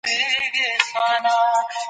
تاسي باید په پښتو کي د علمي اثارو ژباړه وکړئ